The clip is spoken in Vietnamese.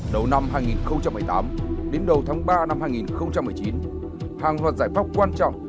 đầu năm hai nghìn một mươi tám đến đầu tháng ba năm hai nghìn một mươi chín hàng loạt giải pháp quan trọng